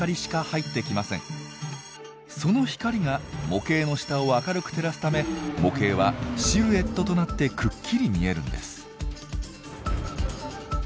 その光が模型の下を明るく照らすため模型はシルエットとなってくっきり見えるんです。